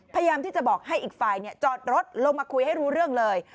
พยายามที่จะบอกให้อีกฝ่ายจอดรถลงมาคุยให้รู้เรื่องเลย